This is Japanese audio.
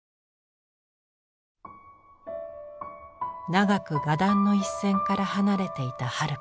長く画壇の一線から離れていた春子。